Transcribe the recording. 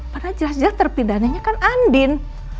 padahal jelas jelas terpidananya kan andin